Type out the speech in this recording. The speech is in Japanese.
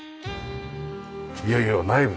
いよいよ内部。